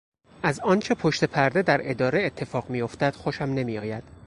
از آنچه پشت پرده در اداره اتفاق میافتد خوشم نمیآید.